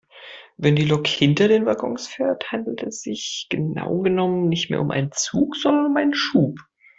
Wenn die Lok hinter den Waggons fährt, handelt es sich genau genommen nicht mehr um einen Zug sondern um einen Schub.